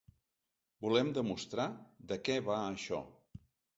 Volem demostrar de què va això.